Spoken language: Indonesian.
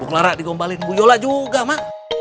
buklara digombalin bu yola juga ma